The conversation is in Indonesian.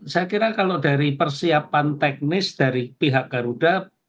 saya kira kalau dari persiapan teknis dari pihak garuda